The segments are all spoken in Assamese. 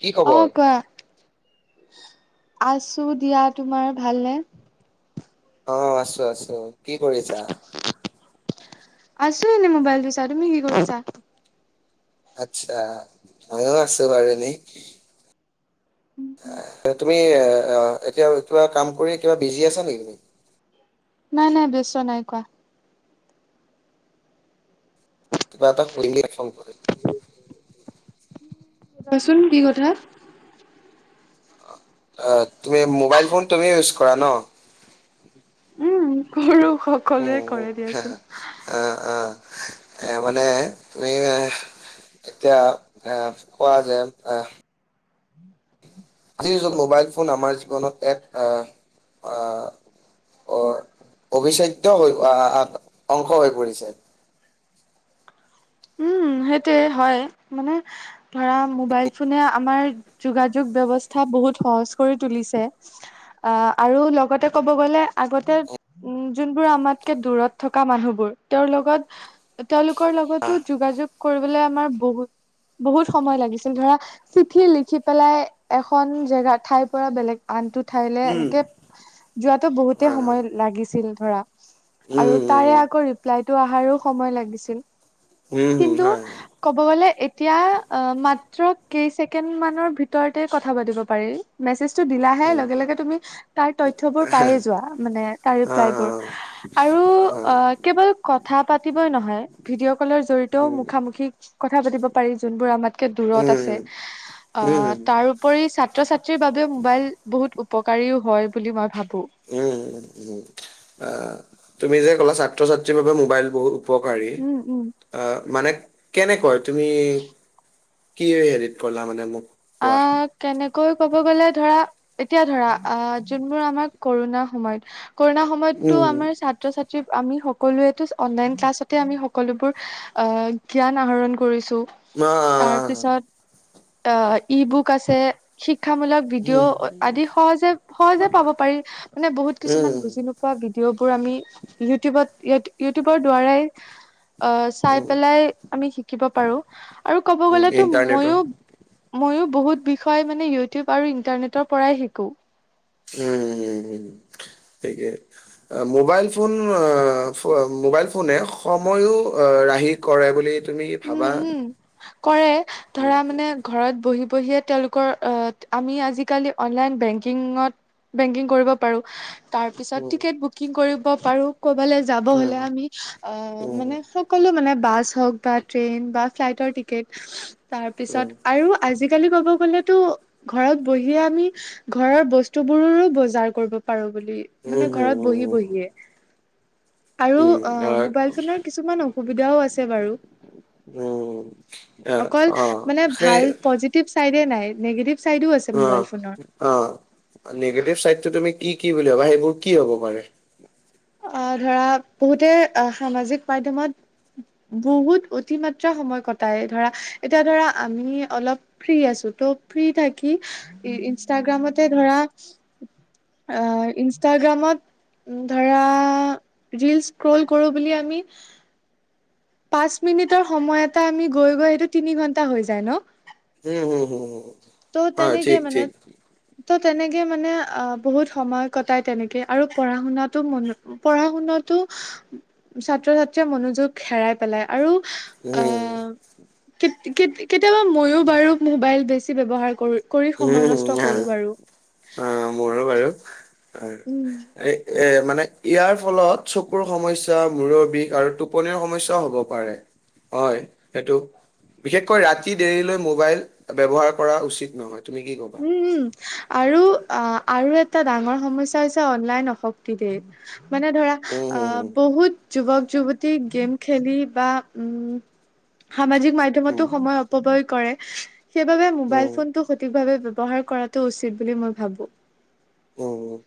কি খবৰ? অ' কোৱা? আছো দিয়া। তোমাৰ ভালনে? আহ' আছো, আছো। কি কৰিছা? আছো এনে মোবাইলটো চাই। তুমি কি কৰিছা? আচ্ছা। ময়ো আছো বাৰু এনেই। তুমি এতিয়া কিবা কাম কৰি কিবা বিজি আছা নেকি তুমি? নাই নাই বেউষ্টো নাই কোৱা। কিবা এটা কৰিলেই ফোন কৰে। কোৱাচোন কি কথা। তুমি মোবাইল ফোন তুমিও ইউজ কৰা ন? উম কৰো উম, সকলোৱে উম, কৰে হা, দিয়াচোন অ'অ'। এ, মানে তুমি এতিয়া আহ, খোৱা যায় আহ' আজিত মোবাইল ফোন আমাৰ জীৱনত এক আহ আহ' আহ, অবিচ্ছেদ্য হৈ আহ অংশ হৈ পৰিছে। উম সেইটোয়েই হয়। মানে ধৰা মোবাইল ফোনে আমাৰ যোগাযোগ ব্যৱস্থা বহুত সহজ কৰি তুলিছে। অহ' আৰু লগতে কব গলে আগতে উম যোনবোৰ আমাতকে দূৰত থকা মানুহবোৰ, তেওঁৰ লগত তেওঁলোকৰ লগতো যোগা-যোগ কৰিবলে আমাৰ বহুত বহুত সময় লাগিছিল ধৰা চিঠি লিখি পেলাই এখন জেগা ঠাইৰ পৰা বেলেগ আনটোত উঠাইলে উম এনেকে যোৱাতো বহুতে সময় লাগিছিল ধৰা। আৰু তাৰে আকৌ ৰিপ্লাইটো অহাৰো সময় লাগিছিল। কিন্তু ক'ব গলে এতিয়া অ', মাত্ৰ কেই ছেকেণ্ড মানৰ ভিতৰতে কথা পাতিব পাৰি, মেচেজটো দি দিলাহে লগে, লগে তুমি তাৰ তথ্যবোৰ পায়ে যোৱা মানে, তাৰ ৰিপ্লাইবোৰ আৰু অ', কেৱল কথা পাতিবই নহয়, ভিডিঅ' ক'লৰ জ মুখামুখি কথা পাতিব পাৰি, যোনবোৰ আমাতকে দূৰত আছে। আ, তাৰ ওপৰত ছাত্ৰ ছাত্ৰীৰ বাবে মোবাইল বহুত উপকাৰীও হয়, বুলি মই ভাবোঁ। উম, আ তুমি যে, ক'লা ছাত্ৰ ছাত্ৰীৰ বাবে মোবাইল বহুত উপকাৰী। উম, উম। অ', মানে কেনেকৈ? তুমি কি হেৰিত ক'লা মানে মোক? কোৱা? অ', কেনেক কৈ ক'ব গ'লে ধৰা এতিয়া ধৰা অ', যোনবোৰ আমাৰ ক'ৰোণা সময়ত ক'ৰোণা সময়তো উম, আমাৰ ছাত্ৰ ছাত আমি সকলোৱেতো অনলাইন ক্লাছতে আমি সকলোবোৰ অ', জ্ঞান আহৰণ কৰিছ টো, আ, তাৰপিচত আ, ই বুক আছে, শিক শিক্ষামূলক উম, ভিডিঅ' আদি সহজে, সহজে পাব পাৰি, মানে বহুত উম, কিছুমান বুজি নোপোৱা ভিডিঅ'। বোৰ আমি ইউটিউবত, ই-ইউটিউবৰ দ্বাৰাই আ, চাই উম, পেলাই আমি শিকিব পাৰোঁ, আৰু ক'ব উম, গ'লেতো ইণ্টাৰনেটৰ ময়ো ময়ো বহুত বিষয় মানে ইউটিউব আৰু ইন্টাৰনেটৰ পৰাই শিকোঁ। উম, উম, ঠিকে, আ, মোবাইল ফোন অ', [unintelligible] মোবাইল ফোনে সময়ো অ', ৰাহি কৰে বুলি তুমি উম, ভাবা? উম, কৰে, উম, ধৰা মানে ঘৰত বহি বহিয়ে তেওঁলোকৰ অ', আমি আজিকালি অনলাইন বেংকিঙত বেংকিং কৰিব পাৰোঁ, তাৰপিছত উম, টিকেট বুকিং কৰিব পাৰোঁ। ক'বালে যাব হ'লে আমি অ', উম, উম, মানে সকলো মানে বাছ হওঁক, বা ট্ৰেইন বা ফ্লাইটৰ টিকেট। উম, উম, তাৰপিছত আৰু আজি আজিকালি কব গলেতো ঘৰত বহিয়ে আমি ঘৰৰ বস্তু বোৰৰো বজাৰ কৰিব পাৰো বুলি হুম, মানে হুম, ঘৰত হুম, বহি বহিয়ে। আৰু উম, আহ, মোবাইল ফোনৰ কিছুমান অসুবিধাও আছে বাৰু উম, আহ, অকল অ', মানে সেই ভাল পজিটিভ চাইডে নাই। নিগেটিভ চাইডো আছে অ, মোবাইল ফোনৰ। অ নিগেটিভ চাইডটো তুমি কি, কি বুলি ভবা। সেইবোৰ কি হ'ব পাৰে? আহ ধৰা বহুতে সামাজিক মাধ্যমত বহুত অতিমাত্ৰা সময় কটাই ধৰা এতিয়া ধৰা আমি অলপ ফ্ৰী আছো যত ফ্ৰী থাকি ইনষ্টাগ্ৰামতে ধৰা অ' ইনষ্টাগ্ৰামত উ ধৰা ৰিল স্ক্ৰল কৰো বুলি আমি পাঁচ মিনিটৰ সময় এটা আমি গৈ, গৈ সেইটো তিনি ঘন্টা হৈ যায় ন। উম, উম। ত' তেনেকে মানে তো তেনেকৈ মানে বহুত সময় কটায় তেনেকৈ। আৰু পঢ়া শুনাতো মন পঢ়া শুনাত ছাত্ৰ-ছাত্ৰীয়ে মনোযোগ হেৰাই পেলাই। আৰু উম। আহ কেত কেতিয়াবা মইও বাৰু মোবাইল বেছি ব্যৱহাৰ কৰো কৰি সময় উম, নষ্ট আহ, কৰো বাৰু। আহ, মোৰো বাৰু। হয়। উম। এ এ, মানে ইয়াৰ ফলত চকুৰ সমস্যা, মূৰৰ বিষ, আৰু টোপনিৰ সমস্যাও হ'ব পাৰে। হয় সেইটো। বিশেষকৈ ৰাতি দেৰিলৈ মোবাইল ব্যৱহাৰ কৰা উচিত নহয়। তুমি কি ক'বা? উম, উম। আৰু, আ, আৰু এটা ডাঙৰ সমস্যা হৈছে, অনলাইন অশক্তি দে মানে ধৰা উম হুম অ', বহুত যুৱক, যুৱতী গেম খেলি বা উম, সামাজিক মাধ্যমতো হুম সময় অপবয় কৰে, সেইবাবে মোবাইল উম উম ফোনটো সঠিকভাবে ব্যৱহাৰ কৰাটো উচিত বুলি মই ভাবোঁ। উম উম।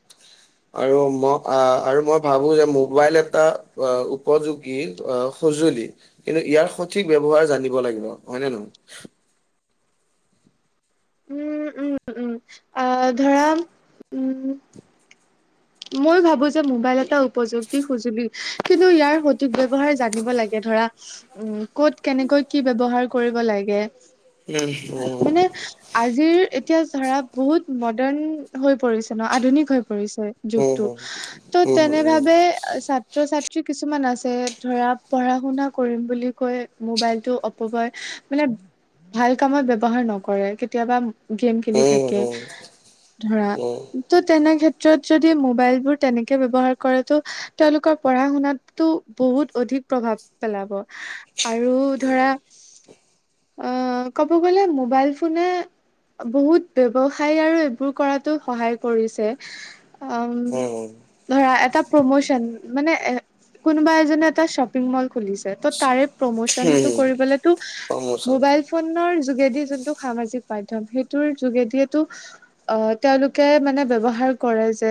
আৰু ম-আ, আৰু মই ভাবোঁ যে, মোবাইল এটা অ', উপযোগী অ', সজু লি, কিন্তু ইয়াৰ সঠিক ব্যৱহাৰ জানিব লাগিব হয়নে, নহয়? উম, উম, উম, আ, ধৰা উম। মই ভাবোঁ যে, মোবাইল এটা উপযুক্তি সঁজুলি, কিন্তু ইয়াৰ সঠিক ব্যৱহাৰ জানিব লাগে। ধৰা উম, ক'ত, কেনেকৈ, কি ব্যৱহাৰ কৰিব লাগে। উম মানে আজিৰ ইতিয়া ধৰা বহুত মডাৰ্ণ হৈ পৰিছে ন আধুনিক হৈ পৰিছে উম যুগটো ত' উম উম তেনে ভাবে ছাত্ৰ ছাত্ৰী কিছুমান আছে ধৰা পঢ়া শুনা কৰিম বুলি কৈ মোবাইলটো অপগয় মানে ভাল কামত ব্যৱহাৰ নকৰে কেতিয়াবা গেম উম উম খেলি উম থাকে উম ধৰা উম ত' তেনে ক্ষেত্ৰত যদি মোবাইল বোৰ তেনেকে ব্যৱহাৰ কৰেটো তেওঁলোকৰ পঢ়া শুনাতো বহুত অধিক প্ৰভাৱ পেলাব আৰু ধৰা আ, ক'ব গ'লে মোবাইল ফোনে বহুত ব্যৱসায় আৰু এইবোৰ কৰাতো সহায় কৰিছে। উম, ধৰা এটা প্ৰমোচন মানে এ কোনোবা এজনে এটা শ্বপিং মল খুলিছে ত' তাৰে প্ৰমোচনটো উম কৰিবলৈতো প্ৰমোচন ম'বাইল ফোনৰ যোগেদি যোনটো সামাজিক মাধ্যম, সেইটোৰ যোগেদিয়েইতো অ, তেওঁলোকে মানে ব্যৱহাৰ কৰে যে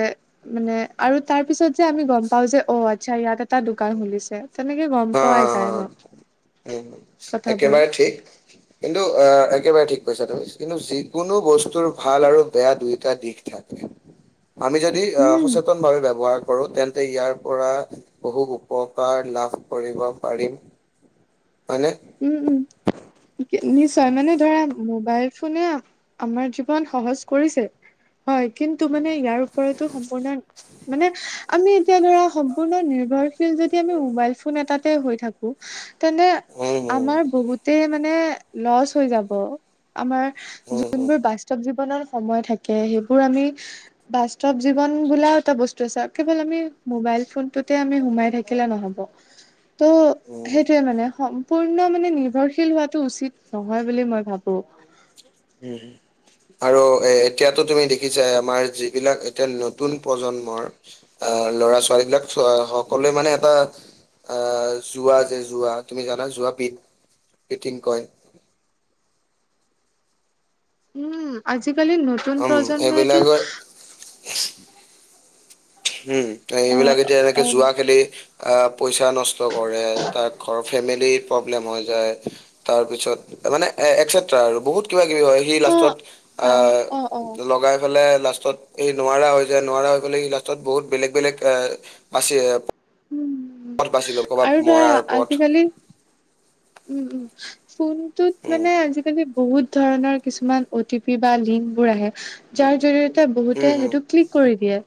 মানে আৰু তাৰ পিছত যে আমি গম পাও যে অ', আচ্ছা ইয়াত এটা দোকান খুলিছে। তেনেকে গম অ অ পোৱা অ যায় ন? উম, কথাবোৰ একেবাৰে ঠিক কিন্তু আ একেবাৰে ঠিক কৈছা তুমি কিন্তু যিকোনো বস্তুৰ ভাল আৰু বেয়া দুয়টা দিশ থাকে। আমি যদি অ, উম সচেতন ভাৱে ব্যৱহাৰ কৰো তেন্তে ইয়াৰ পৰা বহু উপকাৰ লাভ কৰিব পাৰিম। হয়নে উম, উম, নিশ্চয় মানে ধৰা মোবাইল ফোনে আমাৰ জীৱন সহজ কৰিছে। হয় কিন্তু মানে ইয়াৰ ওপৰতো সম্পূৰ্ণ মানে আমি তে ধৰা সম্পূৰ্ণ নিৰ্ভৰশীল যদি আমি মোবাইল ফোন এটাতে হৈ থাকো তেনে উম উম আমাৰ বহুতে মানে লছ হৈ যাব। আমাৰ উম উম যোনবোৰ বাস্তৱ জীৱনত সময় থাকে সেইবোৰ আমি বাস্তৱ জীৱন বোলাও এটা বস্তু আছে আৰু কেৱল আমি মোবাইল ফোন তুতে আমি সোমাই থাকিলে নহব ত' সেইটোয়ে মানে সম্পূৰ্ণ মানে নিৰ্ভৰশীল হোৱাটো উচিত নহয় বুলি মই ভাবো। আৰু এ এতিয়াতো তুমি দেখিছা আমাৰ যিবিলাক এতিয়া নতুন প্ৰজন্মৰ আ, ল'ৰা ছোৱালী বিলাক সকলোৱে মানে এটা আ, জুৱা যে জুৱা তুমি যানা জুৱা পিঠ ফিটিং কয়। [inaudible] উম, আজিকালি নতুন উম প্ৰজন্মইটো এইবিলাক হুম, এইবিলাক এতিয়া লৈকে অ জুৱা খেলি পইচা নষ্ট কৰে তাত ঘৰৰ ফেমিলি প্ৰব্লেম হৈ যায় তাৰপিছত মানে এ একচেট্ৰা আৰু বহুত কিবা কিবি হয়, সি লাষ্টত অ', আ, অ', অ', অ', লগাই পেলাই লাষ্টত এই নোৱাৰা হৈ যায় নোৱাৰা হৈ গলে সি লাষ্টত বহুত বেলেগ বেলেগ এ বাচি উম, পথ বাচিলৈ আৰু ক'ৰবাত ধৰা মৰাৰ পথ। আজিকালি উম, উম, ফোনটোত উম মানে আজিকালি বহুত ধৰণৰ কিছুমান অ' টি পি বা লিংক বোৰ আহে যাৰ জৰিয়তে ত' বহুতে উম সেইটো ক্লিক কৰি দিয়ে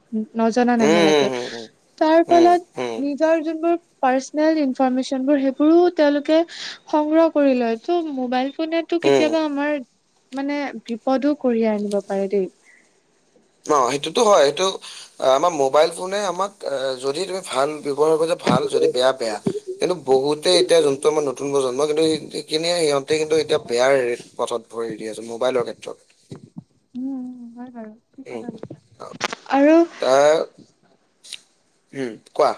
উম নজনা-নেমেলা উম কে উম উম তাৰ উম ফলত উম নিজৰ যতনবোৰ পাৰ্চনেল ইনফৰমেশচনবোৰ সেইবোৰো তেওঁলোকে সংগ্ৰহ কৰি লৈতো মোবাইল কোনেতো উম কেতিয়াবা আমাৰ মানে বিপদো কঢ়িয়াই আনিব পাৰে দেই। অ', সেইটোতো হয় সেইটো আমাৰ মোবাইল ফোনে আমাক যদি তুমি ভাল ব্যয়ৱহাৰ কৰিছা ভাল যদি বেয়া বেয়া, কিন্তু বহুতে এতিয়া যোনটো আমাৰ নতুন প্ৰজন্ম কিন্তু সেই সেইখিনিয়ে সিহঁতে কিন্তু এতিয়া বেয়াৰ পথত ভৰি দি আছে মোবাইলৰ ক্ষেত্ৰত। উম, হয় বাৰু ঠিক উম কথা কৈছা আৰু তাৰ উম, কোৱা।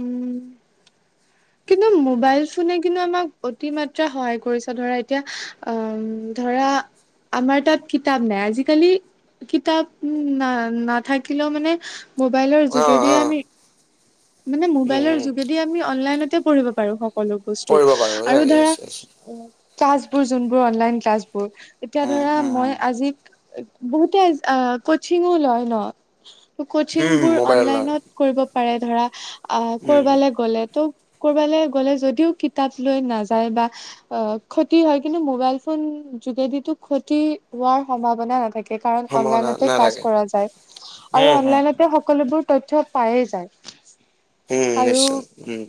উম, কিন্তু মোবাইল ফোনে কিন্তু আমাক অতি মাত্ৰা সহায় কৰিছে ধৰা এতিয়া উম, ধৰা আমাৰ তাত কিতাপ নাই আজিকালি কিতাপ না নাথাকিলেও মানে মোবাইলৰ অ যোগেদিয়ে অ আমি মানে উম মোবাইলৰ উম যোগেদিয়ে আমি অনলাইনতে পঢ়িব পাৰো। পালোঁ বস্তু পৰিব পাৰো আৰু ধৰা য়েছ য়েছ ক্লাছ বোৰ যোনবোৰ অনলাইন ক্লাছ বোৰ এতিয়া উম ধৰা উম মই উম আজি বহুতে আ, কোচিংও লয় ন? কচিং উম বোৰ মোবাইলৰ অনলাইনত কৰিব পাৰে ধৰা আ, উম কৰবাল গ'লে তো কৰবালে গ'লে যদিও কিতাপ লৈ নাযায় বা অ, ক্ষতি হয় কিন্তু মোবাইল ফোন যোগেদিতো ক্ষতি হোৱাৰ সম্ভাৱনা নাথাকে। কাৰণ সম্ভাৱনা অনলাইনতে ক্লাছ নাথাকে কৰা যায় আৰু উম উম অনলাইনতে সকলোবোৰ তথ্য পায়ে যায়। উম আৰু নিশ্চয় উম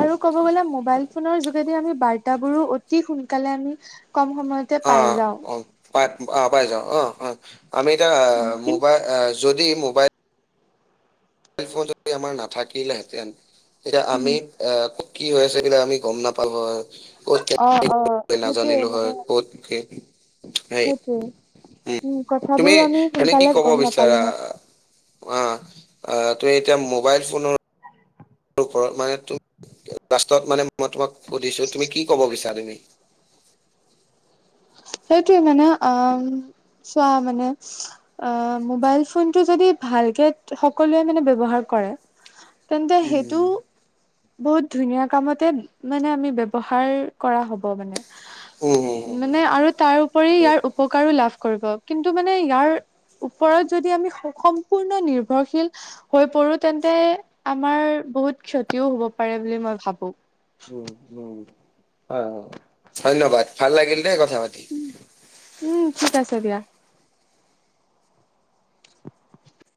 আৰু ক'ব গলে মোবাইল ফোনৰ যোগেদি আমি বাৰ্তাবোৰো অতি সোনকালে আমি কম সময়তে পাই যাওঁ। পাই অ', পাই যাওঁ অ', অ', আমি এতিয়া উম, কিন মোবাই যদি মোবাইল ম'বাইল ফোন যদি আমাৰ নাথাকিলে হেঁতেন তেতিয়া আমি এ কি হৈ আছে সেইবিলাক আমি গম নাপাল হৈ। ক'ত অ', অ', কেনে সেইটোয়ে নাজানিলো মানে হয় ক'ত কি সেইটোয়ে। উম, কথাবোৰো আমি তুমি-তুমি কি সোনকালে কব গম নাপালো বিচাৰা হয়। অ, অ, ত' এতিয়া ম'বাইল ফোনৰ ওপৰত মানে লাষ্টত মানে মই তোমাক সুধিছো তুমি কি ক'ব বিচছাৰা তুমি? [inaudible] সেইটোৱে মানে অ, চোৱা মানে অ, ম'বাইল ফোনটো যদি ভালকে সকলোৱে মানে ব্যৱহাৰ কৰে তেন্তে সেইটো উম বহুত ধুনীয়া কামতে মানে আমি ব্যৱহাৰ কৰা হ'ব মানে। উম, উম, মানে আৰু তাৰ উপৰি ইয়াৰ উপকাৰো লাভ কৰিব কিন্তু মানে ইয়াৰ ওপৰত যদি আমি সম্পূৰ্ণ নিৰ্ভৰশীল হৈ পৰো তেন্তে আমাৰ বহুত ক্ষতিও হ'ব পাৰে বুলি মই ভাবো। উম, উম, অ', ধন্যবাদ ভাল লাগিল দে কথা পাতি। উম, ঠিক আছে দিয়া।